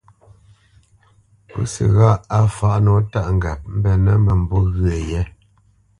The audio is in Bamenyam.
Pǔsi ghâʼ á fǎʼ nǒ tâʼ ŋgap mbenə́ mə̂mbû ghyə̂ yé.